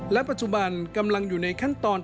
และปัจจุบันกำลังอยู่ในขั้นตอน